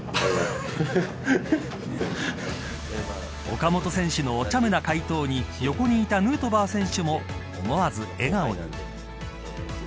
岡本選手のおちゃめな回答に横にいたヌートバー選手も思わず笑顔に。